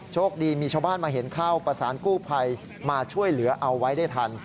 โชคดีมีชาวบ้านมาเห็นเข้าประสานกู้ภัยมาช่วยเหลือเอาไว้ได้ทัน